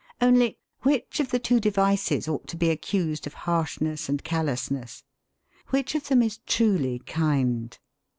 Only which of the two devices ought to be accused of harshness and callousness? Which of them is truly kind?